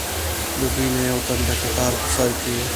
له دوی نه یو تن د کتار په سر کې و.